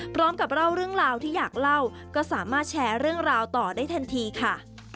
พร้อมกับเล่าเรื่องราวที่อยากเล่าก็สามารถแชร์เรื่องราวต่อได้ทันทีค่ะ